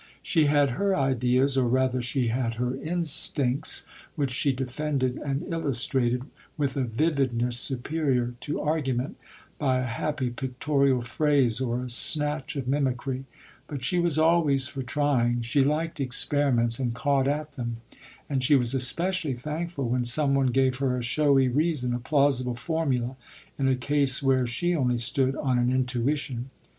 She had her ideas, or rather she had her instincts, which she defended and illustrated, with a vividness superior to argument, by a happy pictorial phrase or a snatch of mimicry; but she was always for trying; she liked experiments and caught at them, and she was especially thankful when some one gave her a showy reason, a plausible formula, in a case where she only stood on an intuition.